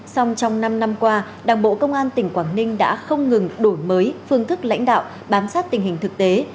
xong trong năm năm qua đảng bộ công an tỉnh quảng ninh đã không ngừng đổi mới phương thức lãnh đạo bám sát tình hình thực tế